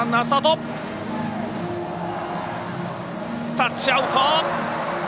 タッチアウト！